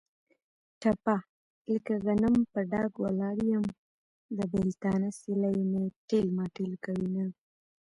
ټپه: لکه غنم په ډاګ ولاړ یم. د بېلتانه سیلۍ مې تېل ماټېل کوینه.